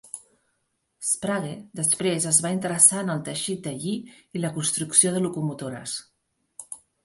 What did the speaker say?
Sprague després es va interessar en el teixit de lli i la construcció de locomotores.